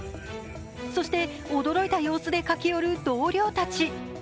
そして驚いた様子で駆け寄る同僚たち。